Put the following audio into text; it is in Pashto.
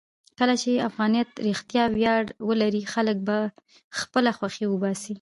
کله چې افغانیت رښتیا ویاړ ولري، خلک به خپله خوښۍ وباسي.